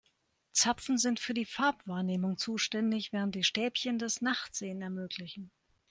Zapfen sind für die Farbwahrnehmung zuständig, während die Stäbchen das Nachtsehen ermöglichen.